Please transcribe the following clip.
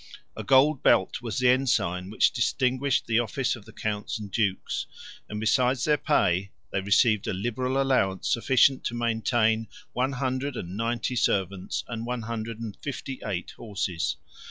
A gold belt was the ensign which distinguished the office of the counts and dukes; and besides their pay, they received a liberal allowance sufficient to maintain one hundred and ninety servants, and one hundred and fifty eight horses.